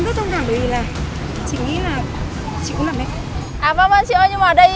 thì bọn em nghĩ là chắc là có vấn đề